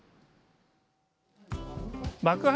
幕張